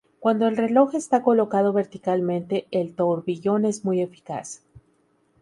Cuando el reloj está colocado verticalmente el tourbillon es muy eficaz.